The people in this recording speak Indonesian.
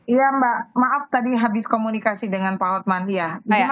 iya mbak maaf tadi habis komunikasi dengan pak hotmandia